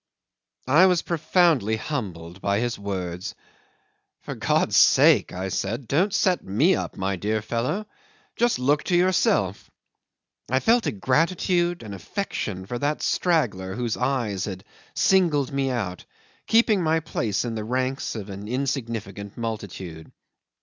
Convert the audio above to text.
'I was profoundly humbled by his words. "For God's sake," I said, "don't set me up, my dear fellow; just look to yourself." I felt a gratitude, an affection, for that straggler whose eyes had singled me out, keeping my place in the ranks of an insignificant multitude.